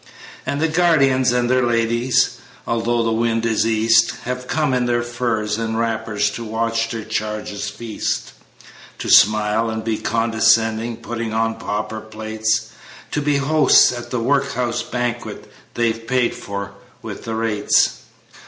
And the guardians and their ladies, Although the wind is east, Have come in their furs and wrappers, To watch their charges feast; To smile and be condescending, Put pudding on pauper plates, To be hosts at the workhouse banquet They've paid for with their rates.